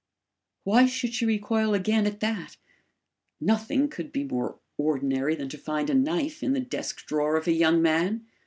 Why should she recoil again at that? Nothing could be more ordinary than to find a knife in the desk drawer of a young man!